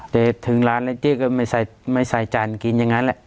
แต่ถึงร้านแล้วเจ๊ก็ไม่ใส่จานกินอย่างนั้นแหละ